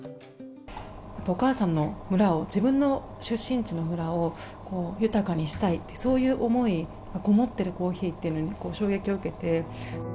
お母さんの村を自分の出身地の村を豊かにしたいって、そういう思いが込もっているコーヒーというのに衝撃を受けて。